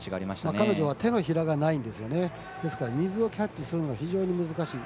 彼女は手のひらがないので水をキャッチするのが非常に難しい。